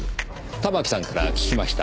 たまきさんから聞きました。